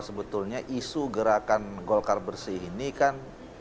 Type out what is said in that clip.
sebetulnya isu gerakan golkar bersih ini kan